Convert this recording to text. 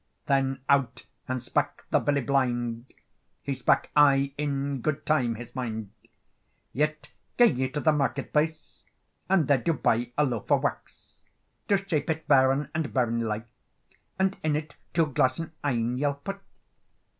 Then out and spak the Billy Blind, He spak aye in good time [his mind]:— "Yet gae ye to the market place, And there do buy a loaf of wace; Do shape it bairn and bairnly like, And in it two glassen een you'll put.